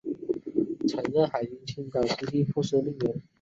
曾任海军青岛基地副司令员。